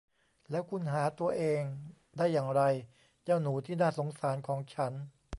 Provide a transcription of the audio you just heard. แล้วคุณหาตัวเองได้อย่างไร เจ้าหนูที่น่าสงสารของฉัน